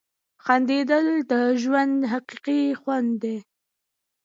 • خندېدل د ژوند حقیقي خوند دی.